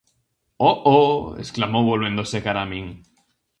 -Oh, oh! -exclamou volvéndose cara a min-.